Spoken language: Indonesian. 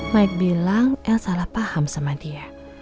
mike bilang el salah paham sama dia